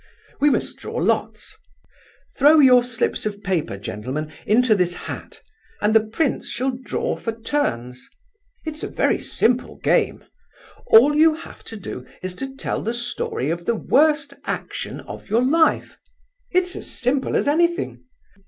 We must draw lots! Throw your slips of paper, gentlemen, into this hat, and the prince shall draw for turns. It's a very simple game; all you have to do is to tell the story of the worst action of your life. It's as simple as anything.